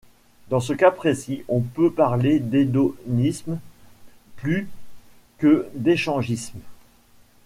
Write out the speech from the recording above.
Dans ce cas précis, on peut parler d’hédonisme plus que d‘échangisme.